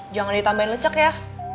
jangan ditambahin lecek ya